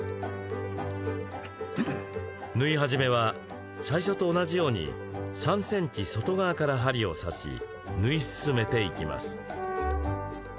縫い始めは、最初と同じように３ｃｍ外側から針を刺し縫い進めていきます。